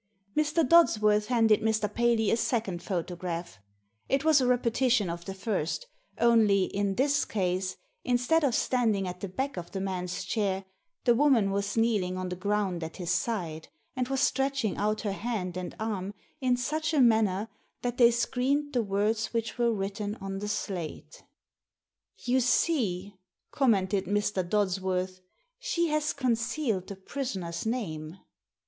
Mr. Dodsworth handed Mr. Paley a second photo graph. It was a repetition of the first, only, in this case, instead of standing at the back of the man's chair, the woman was kneeling on the ground at his side, and was stretching out her hand and arm in such a manner that they screened the words which were written on the slate. Digitized by VjOOQIC 24 THE SEEN AND THE UNSEEN "You see," commented Mr. Dodsworth, "she has concealed the prisoner's name."